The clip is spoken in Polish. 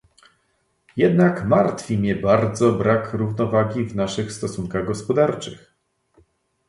Jednak martwi mnie bardzo brak równowagi w naszych stosunkach gospodarczych